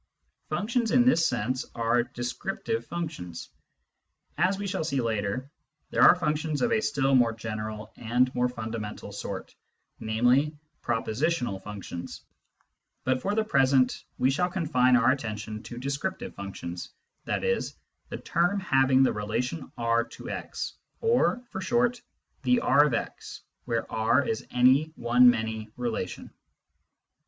Functions in this sense are descriptive functions. As we shall see later, there are functions of a still more general and more fundamental sort, namely, propositional functions ; but for the present we shall confine our attention to descriptive functions, i.e. " the term having the relation R to x" or, for short, " the R of x," where R is any one many relation.